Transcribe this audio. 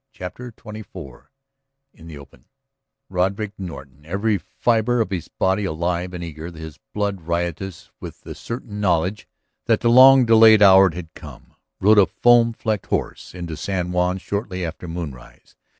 CHAPTER XXIV IN THE OPEN Roderick Norton, every fibre of his body alive and eager, his blood riotous with the certain knowledge that the long delayed hour had come, rode a foam flecked horse into San Juan shortly after moonrise.